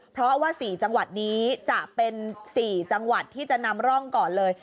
เพราะว่า๔จังหวัดนี้จะเป็น๔จังหวัดที่จะนำร่องก่อนเลย